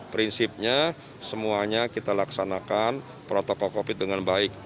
prinsipnya semuanya kita laksanakan protokol covid dengan baik